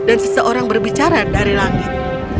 dan seseorang berbicara dari langit